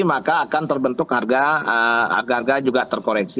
maka akan terbentuk harga harga juga terkoreksi